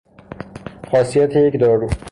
خاصیت یک دارو